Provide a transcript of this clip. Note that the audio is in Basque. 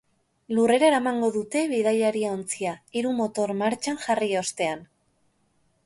Lurrera eramango dute bidaiari-ontzia, hiru motor martxan jarri ostean.